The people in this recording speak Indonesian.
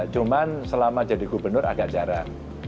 cuma selama jadi gubernur agak jarang